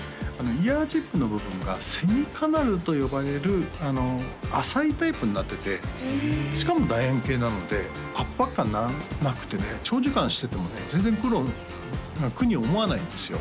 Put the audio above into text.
イヤーチップの部分がセミカナルと呼ばれる浅いタイプになっててしかも楕円形なので圧迫感なくてね長時間しててもね全然苦に思わないんですよ